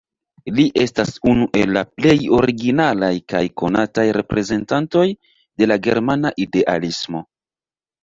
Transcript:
Li estas unu el la plej originalaj kaj konataj reprezentantoj de la germana idealismo.